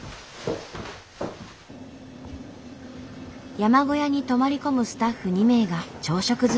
山小屋に泊まり込むスタッフ２名が朝食作り。